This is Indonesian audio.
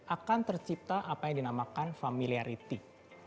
akan tercipta apa yang dinamakan familiarity